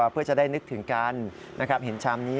เพื่อจะได้นึกถึงกันเห็นชามนี้